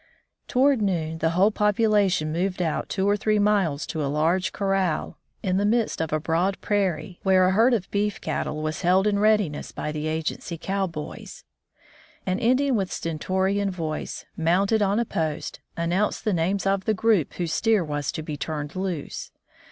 Toward noon, the whole population moved out two or three miles to a large corral in 79 From the Deep Woods to Civilization the midst of a broad prairie, where a herd of beef cattle was held in readiness by the agency cowboys. An Indian with stentorian voice, mounted on a post, announced the names of the group whose steer was to be turned loose.